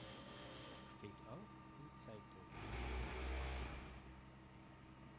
Steht auf und zeigt euch!